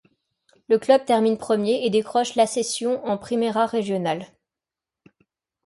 Le club termine premier et décroche l'accession en Primera Regional.